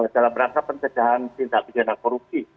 dalam rangka pencegahan tindak pidana korupsi